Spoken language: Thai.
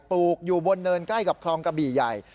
อยู่บนเนินใกล้กับคลองกระบี่ใหญ่